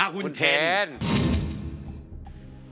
คุณเทนน่ะ